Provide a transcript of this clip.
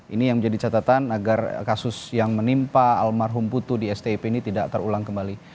ini yang menjadi catatan agar kasus yang menimpa almarhum putu di stip ini tidak terulang kembali